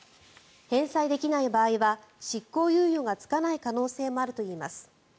返済できない場合は執行猶予がつかない可能性もあるといいます。